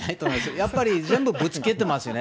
やっぱり全部ぶつけてますよね。